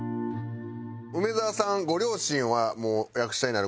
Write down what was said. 梅沢さんご両親は役者になる事は？